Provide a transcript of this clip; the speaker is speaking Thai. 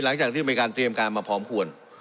หลังจากที่มีการเตรียมการมาพร้อมควร